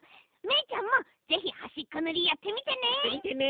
めいちゃんもぜひはしっこぬりやってみてね。